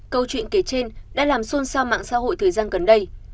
câu chuyện kể trên đã làm xôn xao mạng xã hội thời gian gần đây